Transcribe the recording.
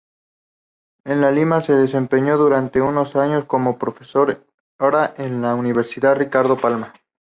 En Lima se desempeñó durante unos años como Profesora en la Universidad Ricardo Palma.